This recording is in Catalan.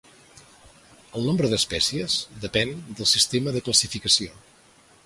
El nombre d'espècies depèn del sistema de classificació.